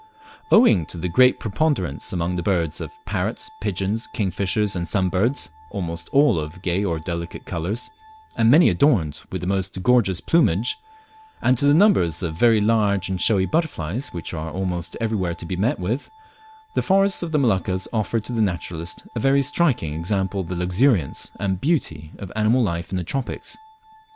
Owing to the great preponderance among the birds, of parrots, pigeons, kingfishers, and sunbirds, almost all of gay or delicate colours, and many adorned with the most gorgeous plumage, and to the numbers of very large and showy butterflies which are almost everywhere to be met with, the forests of the Moluccas offer to the naturalist a very striking example of the luxuriance and beauty of animal life in the tropics.